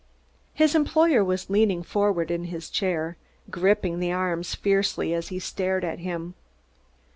His employer was leaning forward in his chair, gripping the arms fiercely as he stared at him.